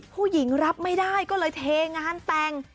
ผู้หญิงรับไม่ได้ก็เลยเทงานแปลง